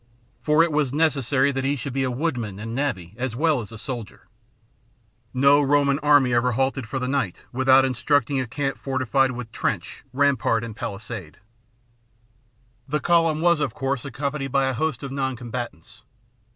For it was necessary that he should be a woodman and navvy as well as a soldier. INTRODUCTION xix vfo Roman army ever halted for the night without constructing a camp fortified with trench, rampart, md paHsade. The column was of course accompanied by a lost of non combatants.